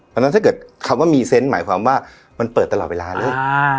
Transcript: เพราะฉะนั้นถ้าเกิดคำว่ามีเซนต์หมายความว่ามันเปิดตลอดเวลาเลย